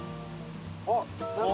あっ！